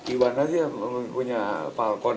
iwan aja punya falcon